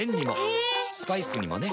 ヘェー⁉スパイスにもね。